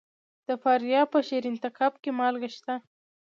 د فاریاب په شیرین تګاب کې مالګه شته.